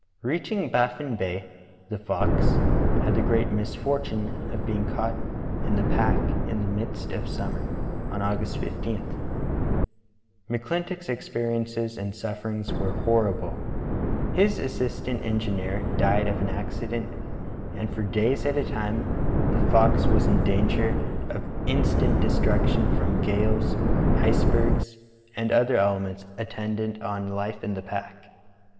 Reaching Baffin Bay, theFox had the great misfortune of being caught in the pack in the midst of summer, on August 15. McClintock's experiences and sufferings vv^ere horrible. His assistant engineer died of an acci dent, and for days at a time the Fox was in danger of instant destruction from gales, icebergs, and other elements attendant on life in the pack.